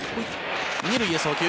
２塁へ送球。